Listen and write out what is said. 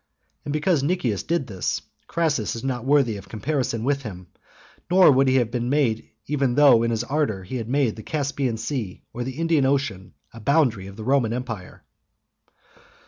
And because Nicias did this, Crassus is not worthy of comparison with him, nor would he have been even though in his ardour he had made the Caspian Sea or the Indian Ocean a boundary of the Roman empire.